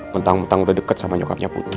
mentang mentang udah deket sama nyokapnya putih